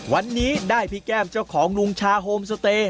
วันนี้ได้พี่แก้มเจ้าของลุงชาโฮมสเตย์